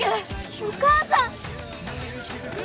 お母さん！